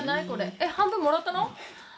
えっ半分もらったの？